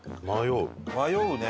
迷うね。